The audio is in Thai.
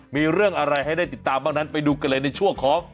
มีเรื่องอะไรให้ได้ติดตามบ้างนั้นไปดูกันเลยในช่วงของ